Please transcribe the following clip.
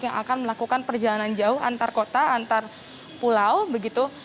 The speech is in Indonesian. yang akan melakukan perjalanan jauh antar kota antar pulau begitu